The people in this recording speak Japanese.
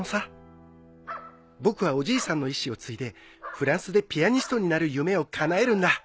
僕はおじいさんの遺志を継いでフランスでピアニストになる夢をかなえるんだ。